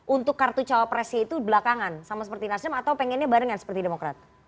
untuk kartu capresnya itu belakangan sama seperti mas dem atau pengennya barengan seperti demokrat